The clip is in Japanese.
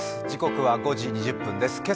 時刻は５時２０分です。